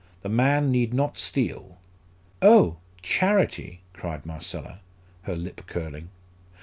The man need not steal." "Oh, charity!" cried Marcella, her lip curling.